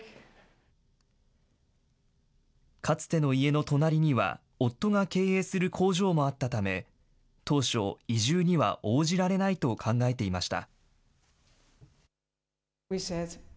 かつての家の隣には、夫が経営する工場もあったため、当初、移住には応じられないと考えていました。